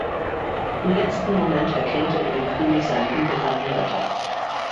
Im letzten Moment erkennt er in dem König seinen unbekannten Retter.